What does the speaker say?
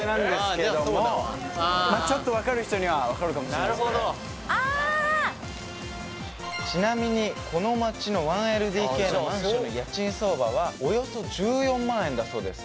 そうだわちょっと分かる人には分かるかもしれないああちなみにこの街の１ＬＤＫのマンションの家賃相場はおよそ１４万円だそうです